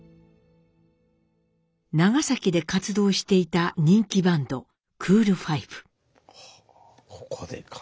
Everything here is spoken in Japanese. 長崎で活動していた人気バンド「クール・ファイブ」。